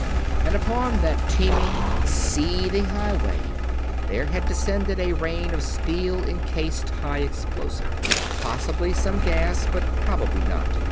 And upon that teeming, seething highway there had descended a rain of steel encased high explosive. Possibly some gas, but probably not.